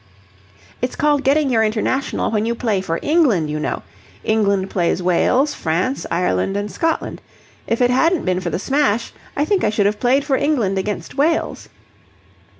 "It's called getting your international when you play for England, you know. England plays Wales, France, Ireland, and Scotland. If it hadn't been for the smash, I think I should have played for England against Wales."